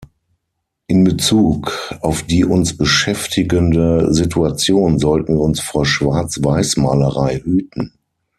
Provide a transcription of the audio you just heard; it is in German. In Bezug auf die uns beschäftigende Situation sollten wir uns vor Schwarz-Weiß-Malerei hüten.